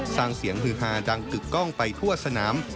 สร้างเสียงฮือฮาดังกึกกล้องไปทั่วสนาม